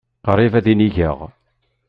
Qrib ad inigeɣ.